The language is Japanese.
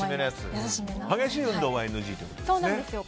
激しい運動はＮＧということですね。